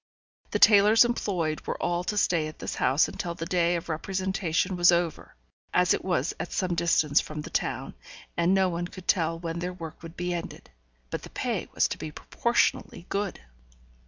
The tailors employed were all to stay at this house until the day of representation was over, as it was at some distance from the town, and no one could tell when their work would be ended. But the pay was to be proportionately good.